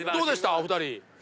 お二人。